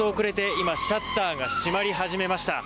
今、シャッターが閉まり始めました。